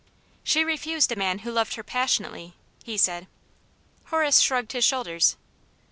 " She refused a man who loved her passionately," he said. Horace shrugged his shoulders.